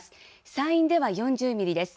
山陰では４０ミリです。